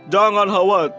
jangan khawatir wanita